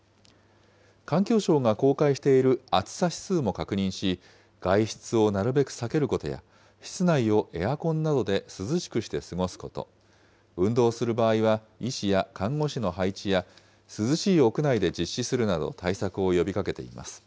環境省が公開している暑さ指数も確認し、外出をなるべく避けることや、室内をエアコンなどで涼しくして過ごすこと、運動する場合は医師や看護師の配置や、涼しい屋内で実施するなどの対策を呼びかけています。